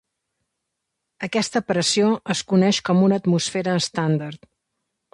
Aquesta pressió es coneix com una atmosfera estàndard.